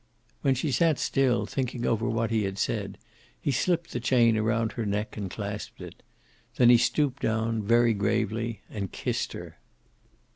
When she sat still, thinking over what he had said, he slipped the chain around her neck and clasped it. Then he stooped down, very gravely, and kissed her.